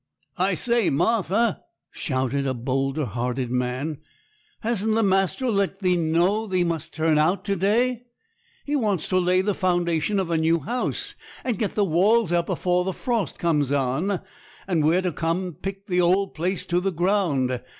'I say, Martha,' shouted a bolder hearted man, 'hasn't the master let thee know thee must turn out to day? He wants to lay the foundation of a new house, and get the walls up afore the frost comes on; and we are come to pick the old place to the ground.